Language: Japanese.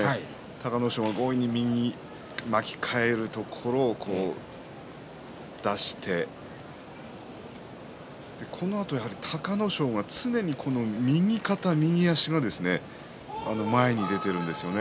隆の勝が強引に右を巻き替えるところを出してこのあと、やはり隆の勝が常に右肩、右足が前に出ているんですよね。